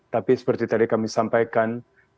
tapi seperti tadi kami sampaikan